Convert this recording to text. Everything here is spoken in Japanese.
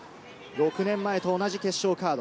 ６年前と同じ決勝カード。